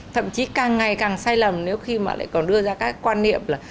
thậm chí càng ngày càng sai lầm nếu khi mà lại còn đưa ra các quan niệm là